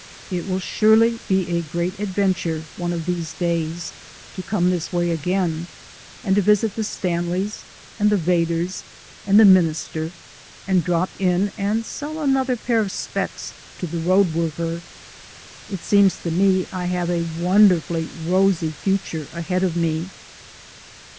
It will surely be a great adventure, one of these days, to come this way again and to visit the Stanleys, and the Vedders, and the Minister, and drop in and sell another pair of specs to the Road worker. It seems to me I have a wonderfully rosy future ahead of me!